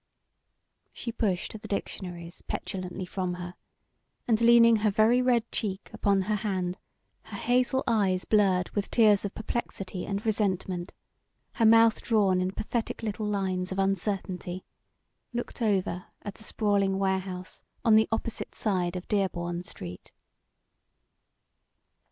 She pushed the dictionaries petulantly from her, and leaning her very red cheek upon her hand, her hazel eyes blurred with tears of perplexity and resentment, her mouth drawn in pathetic little lines of uncertainty, looked over at the sprawling warehouse on the opposite side of Dearborn Street.